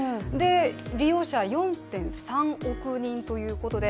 利用者は４．３億人ということで、